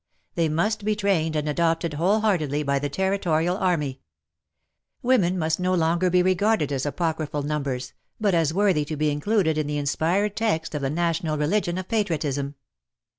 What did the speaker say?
They must be trained and adopted wholeheartedly by the Territorial Army. Women must no longer be regarded as apocryphal numbers, but as worthy to be included in the inspired text of the national religion of Patriotism.